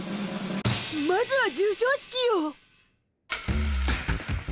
まずは授賞式よ！